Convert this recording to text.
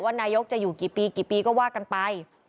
นายกจะอยู่กี่ปีกี่ปีก็ว่ากันไป